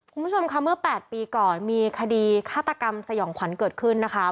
คุณผู้ชมค่ะเมื่อ๘ปีก่อนมีคดีฆาตกรรมสยองขวัญเกิดขึ้นนะคะ